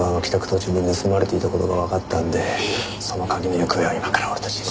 途中に盗まれていた事がわかったんでその鍵の行方を今から俺たち。